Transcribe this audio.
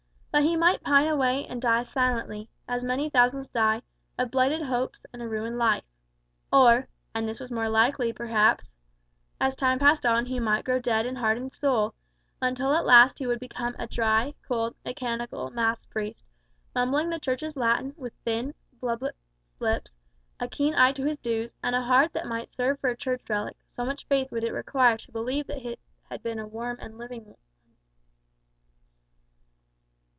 But he might pine away and die silently as many thousands die of blighted hopes and a ruined life. Or and this was more likely, perhaps as time passed on he might grow dead and hard in soul; until at last he would become a dry, cold, mechanical mass priest, mumbling the Church's Latin with thin, bloodless lips, a keen eye to his dues, and a heart that might serve for a Church relic, so much faith would it require to believe that it had been warm and living once.